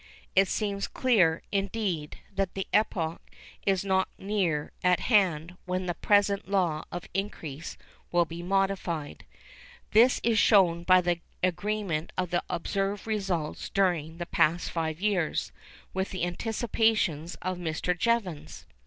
It seems clear, indeed, that the epoch is not near at hand when the present law of increase will be modified. This is shown by the agreement of the observed results during the past five years with the anticipations of Mr. Jevons.